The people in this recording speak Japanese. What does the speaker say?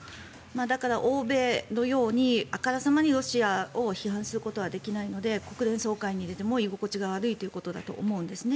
だから、欧米のようにあからさまにロシアを批判することはできないので国連総会に出ても居心地が悪いということだと思うんですね。